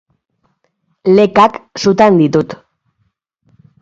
Lekak sutan ditut